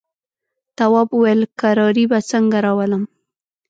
تواب وويل: کراري به څنګه راولم.